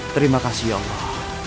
terima kasih ya allah